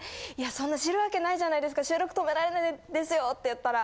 そんな知るわけないじゃないですか収録止められないですよって言ったら。